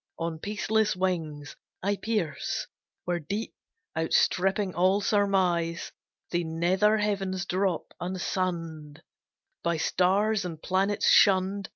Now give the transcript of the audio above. On peaceless wings I pierce, where deep outstripping all surmise, The nether heavens drop unsunned, By stars and planets shunned.